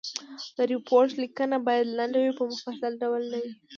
د ریپورټ لیکنه باید لنډ وي په مفصل ډول نه وي.